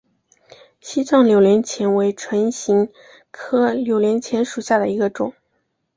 西藏扭连钱为唇形科扭连钱属下的一个种。